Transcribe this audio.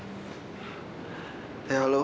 jadi sangat membenci aku sekarang